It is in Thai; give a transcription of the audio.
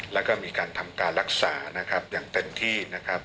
และมีการทำการรักษาอย่างเต็มที่